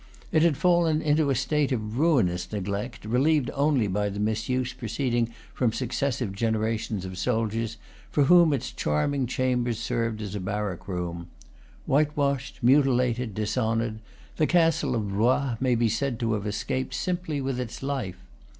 It had fallen into a state of ruinous neglect, relieved only by the misuse pro ceeding from successive generations of soldiers, for whom its charming chambers served as barrack room. Whitewashed, mutilated, dishonored, the castle of Blois may be said to have escaped simply with its life.